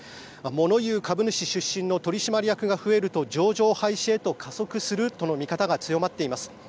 物言う株主出身の取締役が増えると上場廃止へと加速するとの見方が強まっています。